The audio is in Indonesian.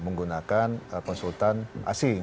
menggunakan konsultan asing